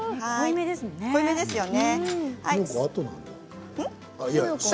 濃いめですね。